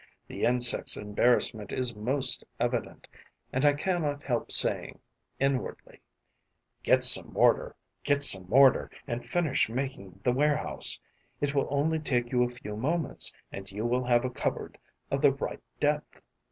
The insect's embarrassment is most evident; and I cannot help saying, inwardly: 'Get some mortar, get some mortar and finish making the warehouse. It will only take you a few moments; and you will have a cupboard of the right depth.'